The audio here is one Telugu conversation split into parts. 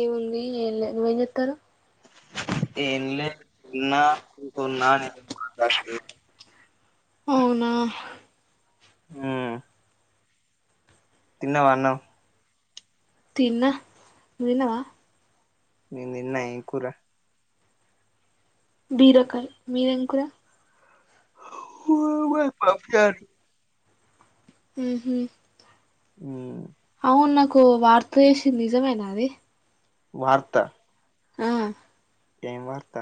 ఏముంది ఏం లేదు నువ్వ ఏం చెత్తానవ్ ఏం లేదు ఏంలేదు తిన్న తిన్నా ఉన్న పడుకున్నా నీతోటి మాట్లాడుతున్న అవునా తిన్నవా అన్నం తన్నా నువ్ తిన్నవా నేన్ తిన్న ఏం కురా బీరకయ్ మీదేం కూర మాది పపు చారు ఉహు అవును నాకు వాట్ చేసింది నిజమేనా అది వార్త ఆ ఏం వార్త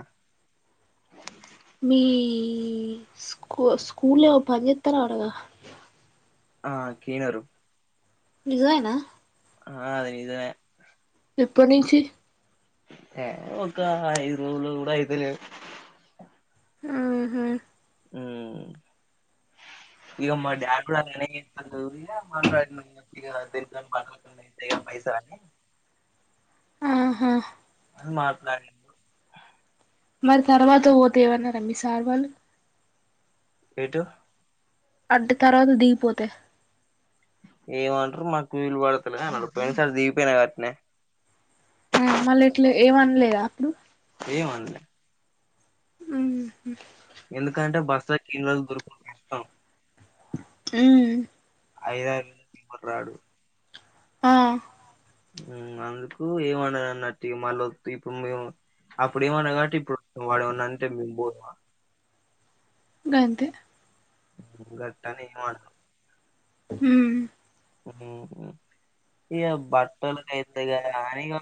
మీ స్కూ స్కూల్వో పనిచస్తార అటగా ఆ కీనరు నిజమేనా? ఆ అది నిజమే ఏ ఒక ఐదు రోజులు కూడా అయితలేదు మ్మ్ హు హ్మ్మ్ ఇ మా డ్యా పైసా [inaudible] [unintelligible] కానీ ఆహా మాక్ కానీ మరి తర్వాత పోతే ఏమన్నారు మీ సార్ వాళ్ళు ఏటు అడ్డ్ తర్వాత దిగిపోతే ఏమంటారు మాకు వీలు పడతులే అంటారు పోయిన సార్ దిగిపోయినా అట్నే హ్మ్మ్ ఆ మళ్ళీ ఇట్లా ఏమనలేదా ఎం అనలే హ్మ్ ఎందుకంటే బస్ల క్లీనర్ లు దొరకటం కష్టం హ్మ్ ఐద పరడు [inaudible] ఎవరు రాడు ఆ హ్మ్మ్ అందుకు ఏమండన్న మళ్ళ ఇప్పుడు మేము అప్పుడు ఏమన్నాడు కాబట్టి ఇపుడు వాడు ఏమైనా అంటే మేం పోతామా గంతే గట్టనే ఎం అన హ్మ్ హ్మ్మ్ బట్టలు కి అయిత్ గాని [inaudible]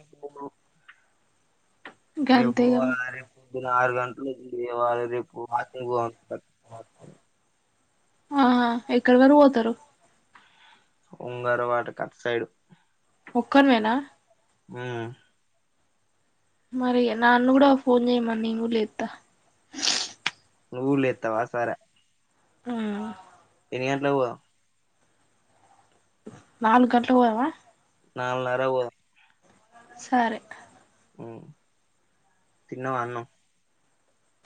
రేపు గంతే ఇగ రేపు పద్న ఆరు గంటలు ఉ వాళు రేపు వాటింగ్ పో [inaudible] [unintelligible] ఆ ఎక్కడి వరకు పోతారు? ఉంగర వాటకు అటు సైడు ఒక్కనివేనా హ్మ్మ్ మరి నను కూడా ఫోన్ చేయమను నేన్ కూడా లేత నువ్వు లేతా వా? సరే హ్మ్ ఎన్ని గంటల కి పోదాం? నాలుగు గంటలు కు పోదమా? నాలుగున్నర కి పోదాం సరే హ్మ్ తిన్నావా అన్నం?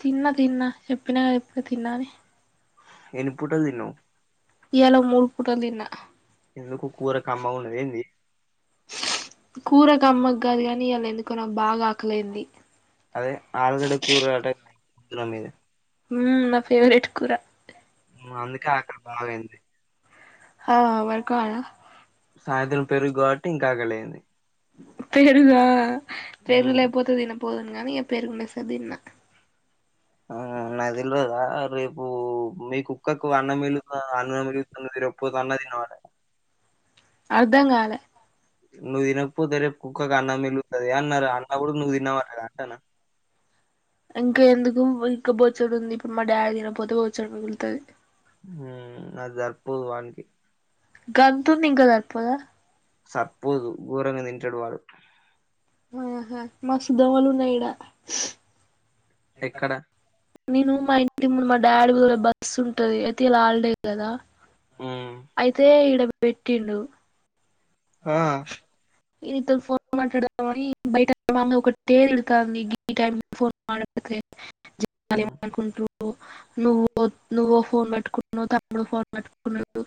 తిన్నా తిన్నా చెప్పినా గా ఇపుడు తిన్నా అని ఎన్ని పూటలు తిన్నావు ఇయాల మూడు పుటలు తిన్న ఎందుకు కూర కమ్మ గా ఉన్నద ఏంది? కూర కమ్మ గా కాదు గా నీ ఇయాల ఎందుకో నాకు బాగా ఆకలేైంది అదే ఆలుగడ్డ కూర అట అందులో మీద హ్మ్ నా ఫేవరెట్ కూర హ్మ్ అందుకే ఆకలి బాగా అయింది హ వర్క్ హలా సాయంత్రం పెరుగు కాబట్టి ఇంకా ఆకలి అయింది పెరుగా? పెరుగు ఉమ్ లేకపోతే తినక పోదునే గాని కానీ పెరుగు మిక్సచర్ తిన్న ఆ నాకు తెల్వదా రేపు మీకు కుక్కకు అన్నం మీలుగుతది అన్నందుకే [unintelligible] అన్నం తిన్నావట అర్ధం కాలే నువ్వు తినకపోతే రేపు కుక్కకి అన్నం మిల్లుగుతుంది అన్నారు అన్న కూడా నువ్వు తిన్నావట అంటా ఇంకా ఎందుకు ఇంకా బొచ్చడు ఉంది ఇప్పుడు మా డాడీ తిన పోతే బోచ్చడు మిగులుతది అది జర్పోదు వానికి గంతుంది ఇంకా సరిపోదా సర్పోదు ఘోరంగా తింటాడు వాడు ఆహా మస్త్ దోమలు ఉన్నాయి ఇడా ఎక్కడ నేను మా ఇంటి ముందు మా డాడీ బస్సు ఉంటది అయితే ఇయాలా హల్డే కదా ఉమ్ అయితే ఇడ పెట్టిండు ఆ ఈ నీతి ఫోన్ మాట్లాడతామని బయట ఒకటే తిడుతుంది ఈ టైమ్ ల ఫోన్ మాట్లాడితే [unintelligible] ఉమ్ నువ్ నువ్వో ఫోన్ పెట్టుకున్నావు తమ్ముడు ఓ ఫోన్ పట్టుకున్నాడు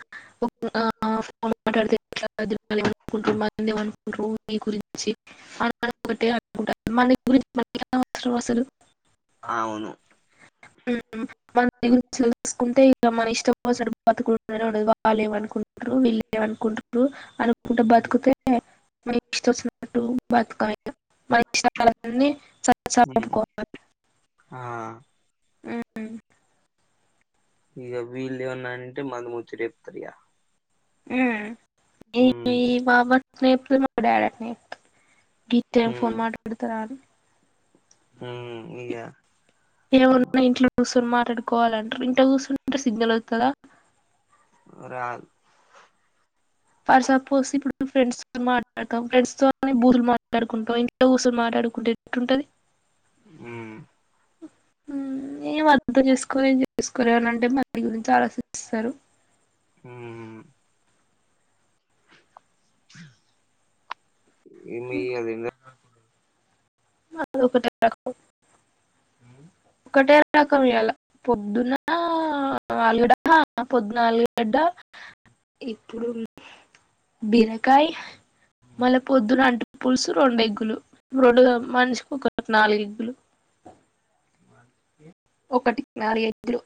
ఆ ఫోన్ మాట్లాడితే [unintelligible] [unintelligible] [unintelligible] అవును [unintelligible] వాళ్ళు ఏం అనుకుంటారు వాళ్ళు ఏం అనుకుంటరు విల్లు ఏం అనుకుంటరు కుంటే బతుకితే మన ఇష్ట వచ్చినట్టు బతక ఉమ్ ఆ [unintelligible] హ్మ్ ఇక వీళ్ళ ఏవన్నాంటె మండిముచ్చట చెప్తారు ఇగ హ్మ్ ఉమ్ [unintelligible] మా డాడీ అట్నే చెప్తాడు గీ టైమ్ ల ఫోన్ మాట్లాడతరా అని హ్మ్ ఇగా ఏమన్నా ఇంట్లో కూర్చొని మాట్లాడుకోవాలింటారు ఇంట్ కూర్చంటే సిగ్నల్ ఒస్తాదా రాదు పీ సపోజ్ ఇప్పుడు ఫ్రెండ్స్ తో మాట్లాడతాం ఫ్రెండ్స్ తో బూతులు మాట్లాడుతాం ఇంట్లో కూసుని మాట్లాడుకుంటే ఎట్లుంటది హ్మ్ ఏం అర్థం చేసుకోరూ ఏం చేసుకోరు ఏమన్నా అంటే మంది గురించి ఆలోచిస్తారు హూ మీ అది [unintelligible] అ ఒకటే రకం ఇయ్యాల పొద్దున ఆలుగడ్డ పొద్దున ఆలుగడ్డ ఇప్పుడు బిరకాయ మళ పొద్దున అ పులుసు రెండు ఎగ్గులు రెండు మనిషికు ఒక నాలుగు ఎగ్గులు అ ఒకటి నాలుగు ఎగ్గులు